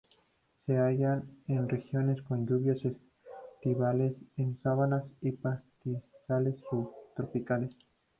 Se hallan en regiones con lluvias estivales en sabanas y pastizales subtropicales.